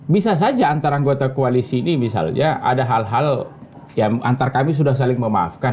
bisa saja antara anggota koalisi ini misalnya ada hal hal yang antar kami sudah saling memaafkan